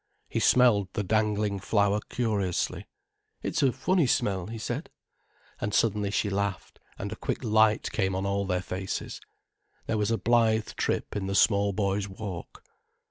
He smelled the dangling flower curiously. "It's a funny smell," he said. And suddenly she laughed, and a quick light came on all their faces, there was a blithe trip in the small boy's walk.